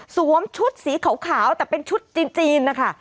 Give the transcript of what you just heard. ชุดสีขาวแต่เป็นชุดจีนนะคะ